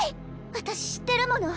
私知ってるもの。